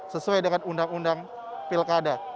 sesuai dengan undang undang pilkada